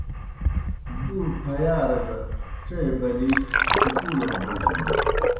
دْو پھیارہ گہ ڇے بلِی سکُولڑ بوجنَن۔